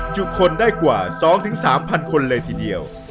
จุคนได้กว่า๒๓๐๐คนเลยทีเดียว